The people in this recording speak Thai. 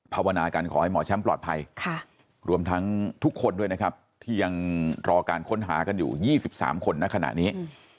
ภาวนากันขอให้หมอแชมป์ปลอดภัยรวมทั้งทุกคนด้วยนะครับที่ยังรอการค้นหากันอยู่๒๓คนในขณะนี้